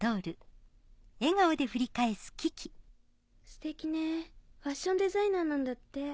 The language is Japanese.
ステキねファッションデザイナーなんだって。